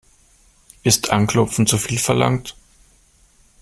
Ist Anklopfen zu viel verlangt?